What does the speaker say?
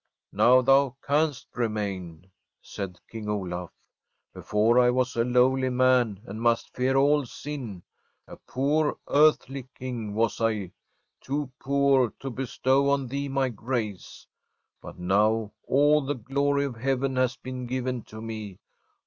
Now thou canst remain,' said King Olaf. ' Before, I was a lowly man and must fear all sin; a poor earthly King was I, too poor to bestow on thee my g^ce ; but now all the glory of Heaven has been given to me.